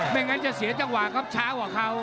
ไม่งั้นจะเสียจังหวะครับช้ากว่าเขา